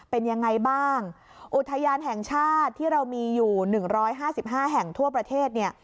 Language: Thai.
เป็นยังไงบ้างอุทยานแห่งชาติที่เรามีอยู่๑๕๕แห่งทั่วประเทศเนี่ย